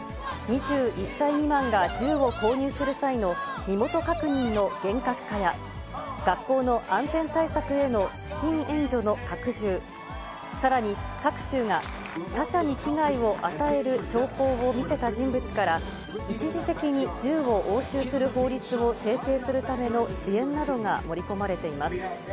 ２１歳未満が銃を購入する際の身元確認の厳格化や、学校の安全対策への資金援助の拡充、さらに、各州が他社に危害を与える兆候を見せた人物から、一時的に銃を押収する法律を制定するための支援などが盛り込まれています。